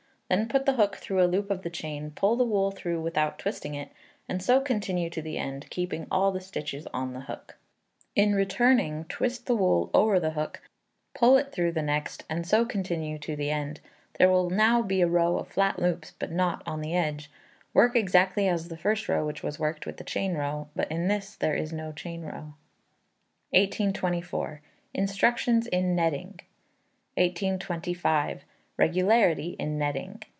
Then put the hook through a loop of the chain, pull the wool through without twisting it, and so continue to the end, keeping all the stitches on the hook. In returning, twist the wool over the hook, pull it through the first loop, twist the wool again over the hook, pull it through the next, and so continue to the end. There will now be a row of flat loops, but not on the edge. Work exactly as at the first row which was worked with the chain row, but in this there is no chain row. 1824. Instructions in Netting. 1825. Regularity in Netting.